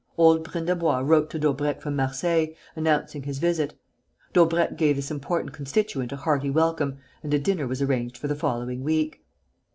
Old Brindebois wrote to Daubrecq from Marseilles, announcing his visit. Daubrecq gave this important constituent a hearty welcome, and a dinner was arranged for the following week.